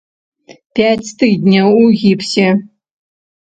Пяць тыдняў у гіпсе!!!